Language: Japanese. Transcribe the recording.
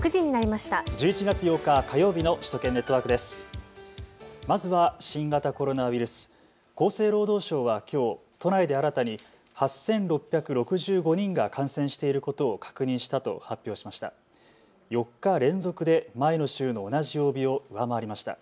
まずは新型コロナウイルス、厚生労働省はきょう都内で新たに８６６５人が感染していることを確認したと発表しました。